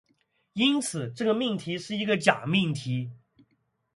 因此，这个命题是一个假命题。